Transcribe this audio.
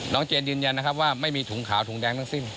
เจนยืนยันนะครับว่าไม่มีถุงขาวถุงแดงทั้งสิ้น